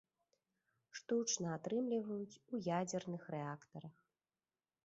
Штучна атрымліваюць у ядзерных рэактарах.